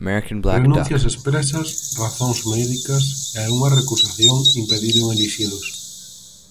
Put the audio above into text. Renuncias expresas, razóns médicas e unha recusación impediron elixilos.